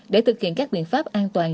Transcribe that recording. để thực hiện các biện pháp an toàn